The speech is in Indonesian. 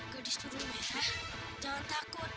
gadis turun merah jangan takut